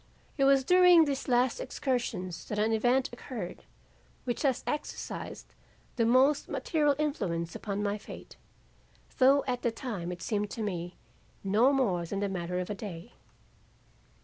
It was during these last excursions that an event occurred which has exercised the most material influence upon my fate, though at the time it seemed to me no more than the matter of a day.